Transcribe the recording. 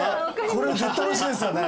これ絶対おいしいですよね。